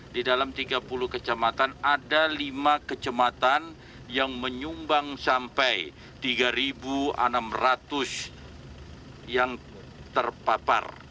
di dalam tiga puluh kecamatan ada lima kecamatan yang menyumbang sampai tiga enam ratus yang terpapar